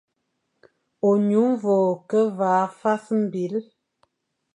Ônyu vogho ke vaʼa fwas mbil.